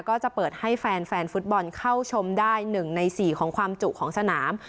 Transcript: ก็จะเปิดให้แฟนฟุตบอลเข้าชมได้๑ใน๔ของความจุของสนาม